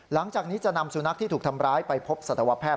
หลังจากนี้จะนำสุนัขที่ถูกทำร้ายไปพบสัตวแพทย